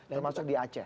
termasuk di aceh